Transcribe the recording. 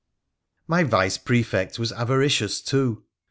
My Vice Prefect was avaricious too.